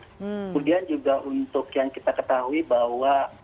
kemudian juga untuk yang kita ketahui bahwa